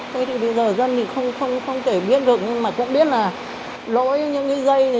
thế thì bây giờ dân thì không thể biết được nhưng mà cũng biết là lỗi những cái dây